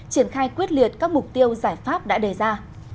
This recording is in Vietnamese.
triển khai quyết liệt các mục tiêu giải pháp đã đề ra